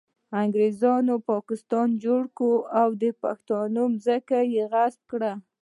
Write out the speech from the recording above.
انګریزانو پاکستان جوړ کړ او د پښتنو ځمکه یې غصب کړه